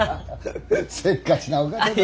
せっかちなお方だ。